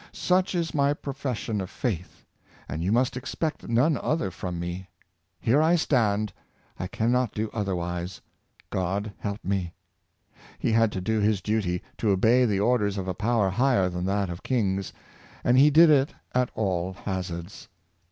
Such is my pro fession of faith, and you must expect none other from me. Here stand I: I can not do otherwise; God help me! " He had to do his duty — to obey the orders of a power higher than that of kings ; and he did it at all hazards.